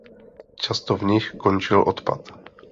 Často v nich končil odpad.